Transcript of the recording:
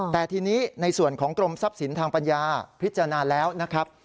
แต่ทีนี้ในส่วนของกรมทรัพย์สินทางปัญญาพิจารณาแล้วนะครับ